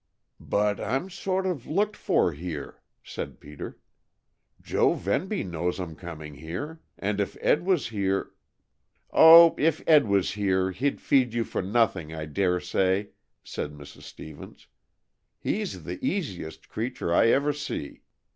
"But I'm sort of looked for here," said Peter. "Joe Venby knows I'm coming here, and if Ed was here " "Oh, if Ed was here, he'd feed you for nothing, I dare say!" said Mrs. Stevens. "He's the easiest creature I ever see.